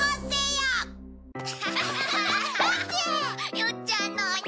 よっちゃんのオニ。